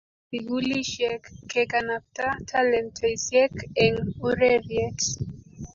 Borie sikulishiek kekanabta talentesiek eng ureriet.